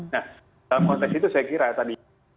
nah dalam konteks itu saya kira tadi